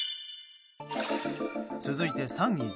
続いて３位。